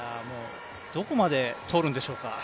どこまで取るんでしょうか。